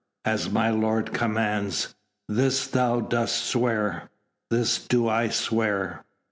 "As my lord commands." "This thou dost swear?" "This do I swear."